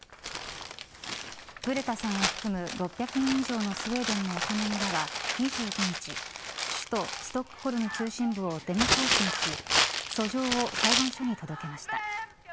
グレタさん含む６００人以上のスウェーデンの若者らは２５日首都ストックホルム中心部をデモ行進し訴状を裁判所に届けました。